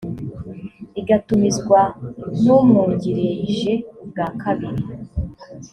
igatumizwa n umwungirije ubwa kabiri